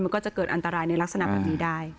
มันก็จะเกิดอันตรายในลักษณะแบบนี้ได้